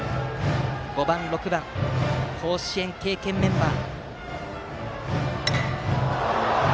５番、６番は甲子園経験メンバー。